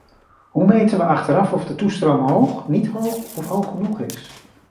Hoe meten we achteraf of de toestroom hoog, niet hoog of hoog genoeg is?